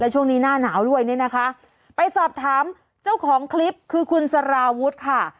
ช่วงนี้หน้าหนาวด้วยเนี่ยนะคะไปสอบถามเจ้าของคลิปคือคุณสารวุฒิค่ะ